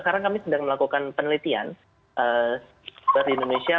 karena kami sedang melakukan penelitian dari indonesia